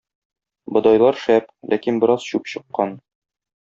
Бодайлар шәп, ләкин бераз чүп чыккан.